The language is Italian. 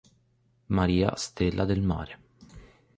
Maria Stella del Mare.